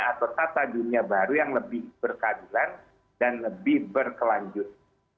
atau tata dunia baru yang lebih berkeadilan dan lebih berkelanjutan